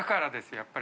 やっぱり。